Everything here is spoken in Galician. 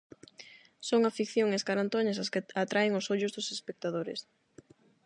Son a ficción e as carantoñas as que atraen os ollos dos espectadores.